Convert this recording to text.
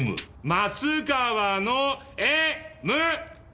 松川の「Ｍ」！